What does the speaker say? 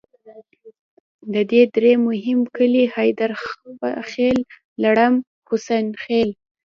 د دې درې مهم کلي حیدرخیل، لړم، حسن خیل.